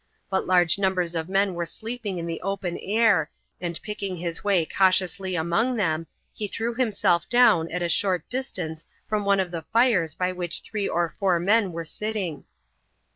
But large numbers of men were sleeping in the open air, and picking his way cautiously among them, he threw himself down at a short distance from one of the fires by which three or four men were sitting.